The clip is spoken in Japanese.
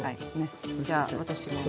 じゃあ私も。